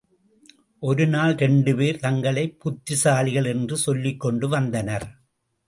ஒருநாள் இரண்டு பேர் தங்களைப் புத்திசாலிகள் என்று சொல்லிக்கொண்டு வந்தனர்.